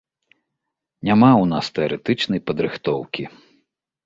Няма ў нас тэарэтычнай падрыхтоўкі.